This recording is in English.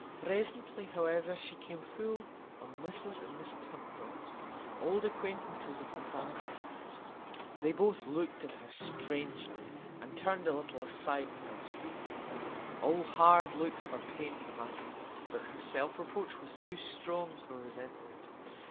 Presently, however, she came full on Mrs and Miss Turnbull, old acquaintances of her family; they both looked at her strangely, and turned a little aside without speaking. All hard looks were pain to Maggie, but her self reproach was too strong for resentment.